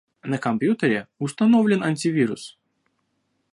На компьютере установлен антивирус